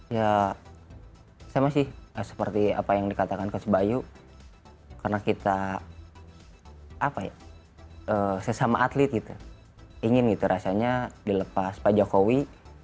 ya sama sih seperti apa yang dikatakan coach bayu karena kita apa ya sesama atlet gitu ingin gitu rasanya dilepas pak jokowi